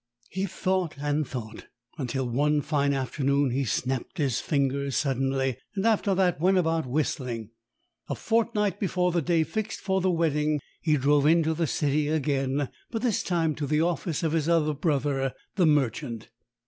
He thought and thought, until one fine afternoon he snapped his fingers suddenly, and after that went about whistling. A fortnight before the day fixed for the wedding he drove into the city again but this time to the office of his other brother, the merchant.